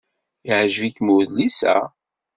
Yeɛjeb-ikem udlis-a?